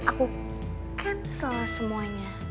aku cancel semuanya